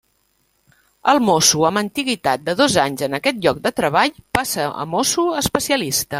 El mosso amb antiguitat de dos anys en aquest lloc de treball passa a mosso especialista.